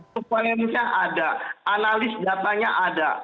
supalensia ada analis datanya ada